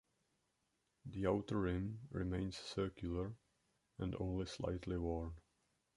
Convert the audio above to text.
The outer rim remains circular and only slightly worn.